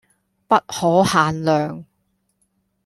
不可限量